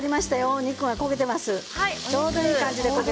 お肉も焦げていますよ。